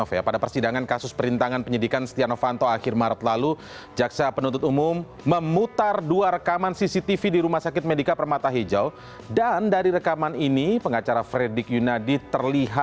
fitriya sungkar jakarta